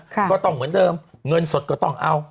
ก็ต้องเหมือนเดิมเงินสดก็ต้องเอา